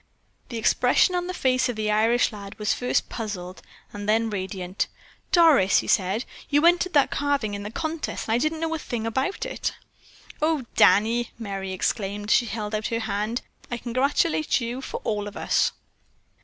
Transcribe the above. The expression on the face of the Irish lad was first puzzled and then radiant. "Doris," he said, "you entered that carving in the contest and I didn't know a thing about it." "Oh, Danny," Merry exclaimed as she held out her hand, "I congratulate you for all of us."